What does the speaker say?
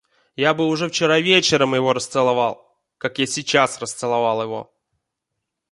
Я бы уже вчера вечером его расцеловал, как я сейчас расцеловал его.